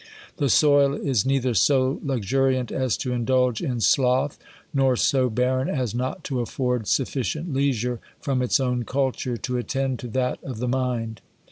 The soil is neither so luxuriant as to indulge in sloth, nor so barren, as not to afford sufficient leisure from its own culture, to attend to that of the mind.